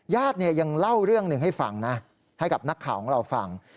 ญาติยังเล่าเรื่องหนึ่งให้ฟังนะให้กับนักข่าวของเราฟัง